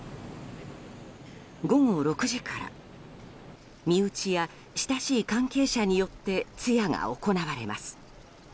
午後６時から身内や、親しい関係者によって通夜が行われます。